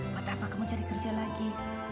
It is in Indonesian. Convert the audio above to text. buat apa kamu cari kerja lagi